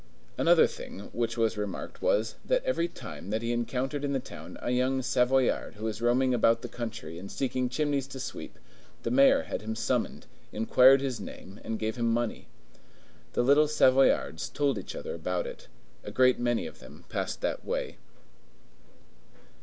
Another thing which was remarked, was, that every time that he encountered in the town a young Savoyard who was roaming about the country and seeking chimneys to sweep, the mayor had him summoned, inquired his name, and gave him money. The little Savoyards told each other about it: a great many of them passed that way.